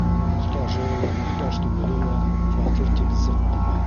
Мохтажы ла, мохтаж түгеле лә фатир тип зыҡ ҡуба.